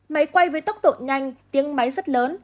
máy quay với tốc độ nhanh tiếng máy rất lớn